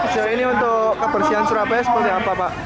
jadi ini untuk kebersihan surabaya seperti apa pak